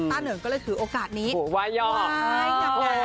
ต้าเหนิงก็เลยถือโอกาสนี้วายย่อ